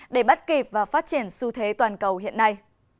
để bắt kịp và phát triển xu thế toàn cầu hiện nay